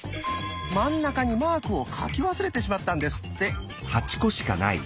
真ん中にマークを描き忘れてしまったんですって！